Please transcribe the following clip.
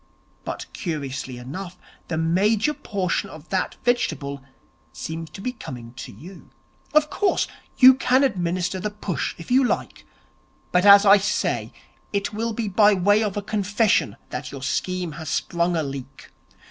But, curiously enough, the major portion of that vegetable seems to be coming to you. Of course, you can administer the push if you like; but, as I say, it will be by way of a confession that your scheme has sprung a leak.